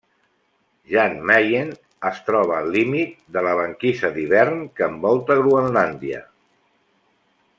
Jan Mayen es troba al límit de la banquisa d'hivern que envolta Groenlàndia.